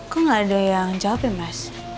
kok gak ada yang jawabin mas